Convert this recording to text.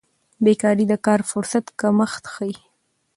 بیکاري د کار فرصت کمښت ښيي.